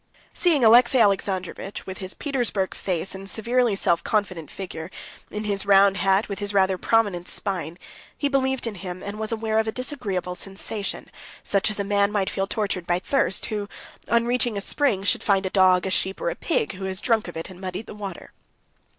Seeing Alexey Alexandrovitch with his Petersburg face and severely self confident figure, in his round hat, with his rather prominent spine, he believed in him, and was aware of a disagreeable sensation, such as a man might feel tortured by thirst, who, on reaching a spring, should find a dog, a sheep, or a pig, who has drunk of it and muddied the water.